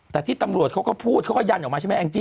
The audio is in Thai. แต่ที่ตำรวจเขาก็พูดเขาก็ยันออกมาใช่ไหมแองจี้